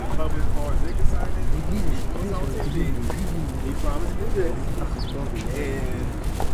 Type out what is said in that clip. L'église est située sur la commune de Juvigny, dans le département de l'Aisne.